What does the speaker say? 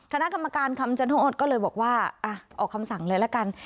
คณะกรรมการคำชันทั้งหมดก็เลยบอกว่าออกคำสั่งเลยละกัน